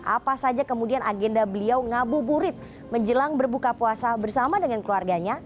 apa saja kemudian agenda beliau ngabuburit menjelang berbuka puasa bersama dengan keluarganya